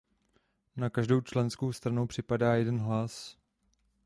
Na každou členskou stranu připadá jeden hlas.